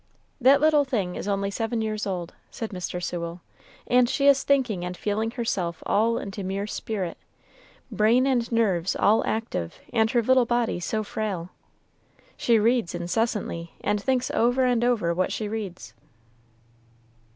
"That little thing is only seven years old," said Mr. Sewell; "and she is thinking and feeling herself all into mere spirit brain and nerves all active, and her little body so frail. She reads incessantly, and thinks over and over what she reads."